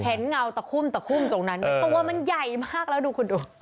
เงาตะคุ่มตะคุ่มตรงนั้นตัวมันใหญ่มากแล้วดูคุณดู